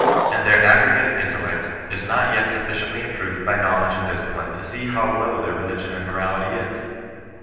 And their aggregate intellect is not yet suffi ciently improved by knowledge and discipline to see hoTi^^low their religion and morality is.